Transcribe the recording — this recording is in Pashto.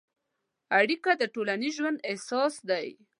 اړیکه د ټولنیز ژوند اساس دی.